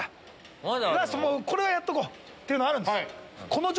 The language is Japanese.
これはやっとこうっていうのあるんです。